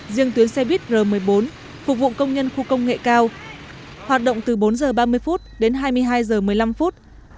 riêng tuyến xe buýt r một mươi bốn phục vụ công nhân khu công nghệ cao hoạt động từ bốn h ba mươi phút đến hai mươi hai giờ một mươi năm phút